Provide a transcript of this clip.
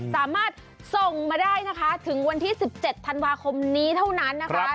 สามารถส่งมาได้นะคะถึงวันที่๑๗ธันวาคมนี้เท่านั้นนะคะ